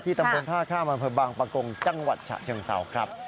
ที่ตำรวจท่าข้ามันเผลอบางประกงจังหวัดฉะเชียงเสาครับ